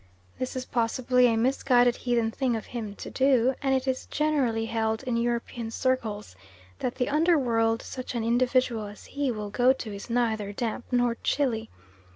This is possibly a misguided heathen thing of him to do, and it is generally held in European circles that the under world such an individual as he will go to is neither damp, nor chilly.